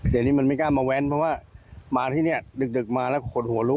เดี๋ยวนี้มันไม่กล้ามาแว้นเพราะว่ามาที่นี่ดึกมาแล้วขนหัวลุก